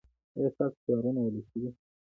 ایا ستاسو شعرونه ولسي دي؟